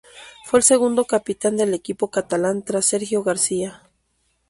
Fue el segundo capitán del equipo catalán, tras Sergio García.